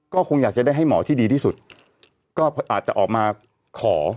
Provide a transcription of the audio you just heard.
ก็คงอยากจะได้ให้หมอที่ดีที่สุดก็อาจจะออกมาขอ